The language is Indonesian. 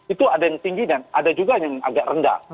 itu ada yang tinggi dan ada juga yang agak rendah